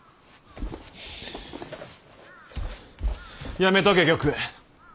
やめとけ玉栄。